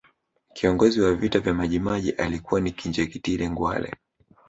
kiongozi wa vita vya majimaji alikuwa ni Kinjekitile ngwale